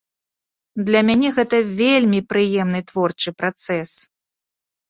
Для мяне гэта вельмі прыемны творчы працэс!